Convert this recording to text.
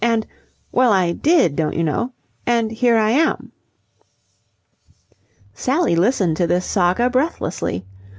And well, I did, don't you know. And here I am." Sally listened to this saga breathlessly.